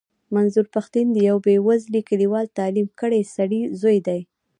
منظور پښتين د يوه بې وزلې کليوال تعليم کړي سړي زوی دی.